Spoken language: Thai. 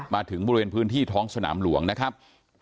มาถึงบริเวณพื้นที่ท้องสนามหลวงนะครับ